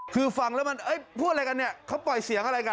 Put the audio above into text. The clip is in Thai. คือฟังแล้วมันพูดอะไรกันเนี่ยเขาปล่อยเสียงอะไรกัน